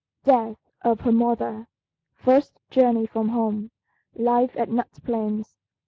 DEATH OF HER MOTHER. FIRST JOURNEY FROM HOME. LIFE AT NUT PLAINS.